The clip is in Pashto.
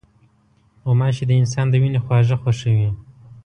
غوماشې د انسان د وینې خواږه خوښوي.